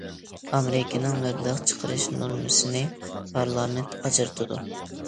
ئامېرىكىنىڭ مەبلەغ چىقىرىش نورمىسىنى پارلامېنت ئاجرىتىدۇ.